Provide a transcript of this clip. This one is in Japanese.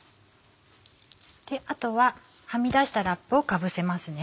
あとははみ出したラップをかぶせますね。